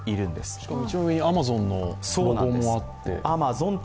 しかも上にアマゾンの文言もあって。